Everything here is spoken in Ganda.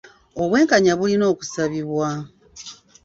Obwenkanya bulina okusabibwa.